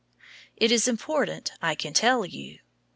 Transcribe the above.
It is important, I can tell you.